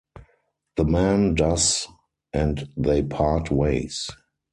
The man does and they part ways.